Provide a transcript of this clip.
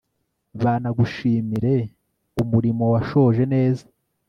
banagushimire umurimo washoje neza